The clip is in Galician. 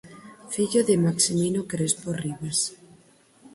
Fillo de Maximino Crespo Rivas.